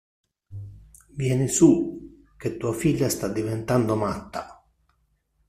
Vieni su, che tua figlia sta diventando matta!